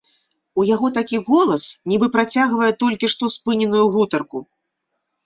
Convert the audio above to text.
У яго такі голас, нібы працягвае толькі што спыненую гутарку.